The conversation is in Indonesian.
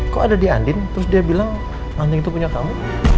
kok ada di andin terus dia bilang andin itu punya kamu